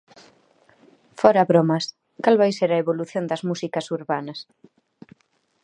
Fóra bromas: cal vai a ser a evolución das músicas urbanas?